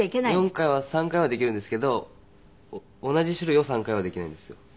４回は３回はできるんですけど同じ種類を３回はできないんですよ。